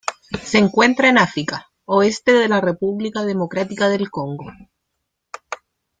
Se encuentran en África: oeste de la República Democrática del Congo.